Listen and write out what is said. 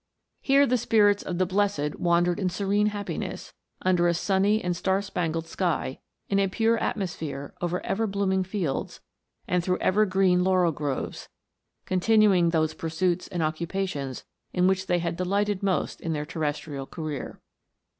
Here the spirits of the blessed wandered in serene happiness, under a sunny and star spangled sky, in a pure atmosphere, over ever blooming fields, and through ever green laurel groves, continuing those pursuits and occu pations in which they had delighted most in their terrestrial career.